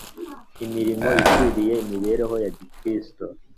Imirimo ikwiriye imibereho ya Gikristo